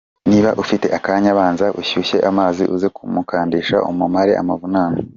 Niba ufite akanya banza ushyushye amazi uze kumukandisha umumare amavunane.